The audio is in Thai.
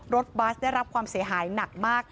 รถบัสได้รับความเสียหายหนักมาก